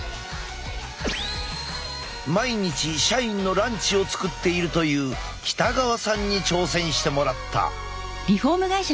毎日社員のランチを作っているという北川さんに挑戦してもらった。